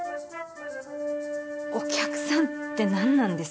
お客さんって何なんですか？